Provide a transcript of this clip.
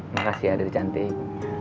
makasih ya dede cantik